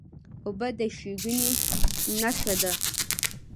اوبه د ښېګڼې نښه ده.